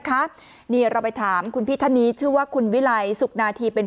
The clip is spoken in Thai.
ครับนี่เราไปถามคุณพี่ท่านนี้ชื่อว่าคุณวิไลสุขนาธีเป็น